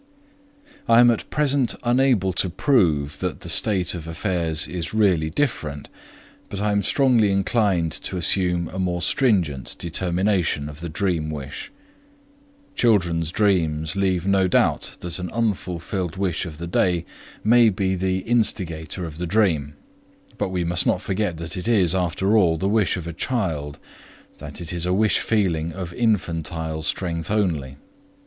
I am at present unable to prove that the state of affairs is really different, but I am strongly inclined to assume a more stringent determination of the dream wish. Children's dreams leave no doubt that an unfulfilled wish of the day may be the instigator of the dream. But we must not forget that it is, after all, the wish of a child, that it is a wish feeling of infantile strength only.